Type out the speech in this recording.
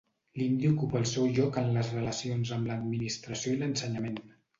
L'hindi ocupa el seu lloc en les relacions amb l'administració i l'ensenyament.